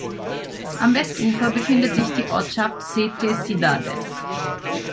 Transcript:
Am Westufer befindet sich die Ortschaft Sete Cidades.